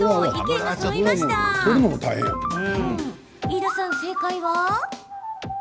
飯田さん、正解は？